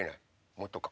もっとか。